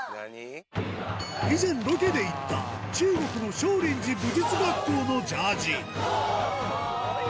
以前ロケで行った、中国の少林寺武術学校のジャージ。